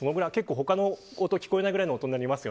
他の音が聞こえないくらいの音です。